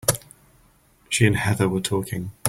She and Heather were talking.